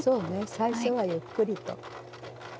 最初はゆっくりと。